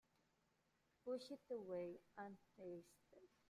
Push it away untasted?